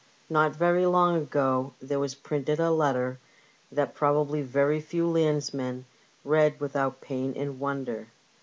Not very long ago there was printed a letter that probably very few landsmen read without pain and wonder.